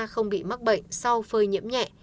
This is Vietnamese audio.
không bị mắc bệnh sau phơi nhiễm nhẹ